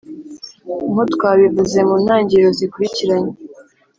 nk'u twabivuze mu ntangiriro, zikurikiranye